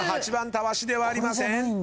８番たわしではありません。